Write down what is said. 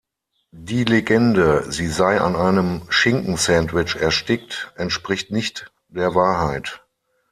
Die Legende, sie sei an einem Schinken-Sandwich erstickt, entspricht nicht der Wahrheit.